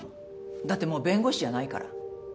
だってもう弁護士じゃないから。